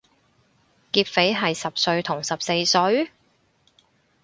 劫匪係十歲同十四歲？